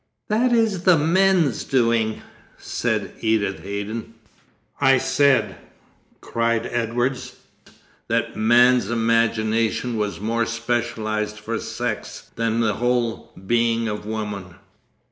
'That is the men's doing,' said Edith Haydon. 'I said,' cried Edwards, 'that man's imagination was more specialised for sex than the whole being of woman.